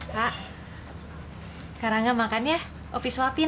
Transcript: kak karangnya makan ya opi suapin